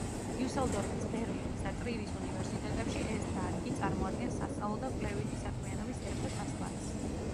დიუსელდორფის, ბერლინის და ტრირის უნივერსიტეტებში ეს დარგი წარმოადგენს სასწავლო და კვლევითი საქმიანობის ერთ-ერთ ასპარეზს.